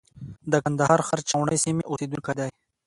د کندهار ښار چاوڼۍ سیمې اوسېدونکی دی.